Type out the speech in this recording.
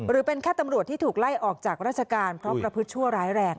หรือเป็นแค่ตำรวจที่ถูกไล่ออกจากราชการเพราะประพฤติชั่วร้ายแรง